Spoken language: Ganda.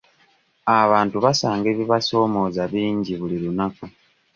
Abantu basanga ebibasoomooza bingi buli lunaku.